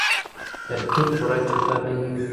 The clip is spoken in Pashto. ترکیب پوره جمله نه يي.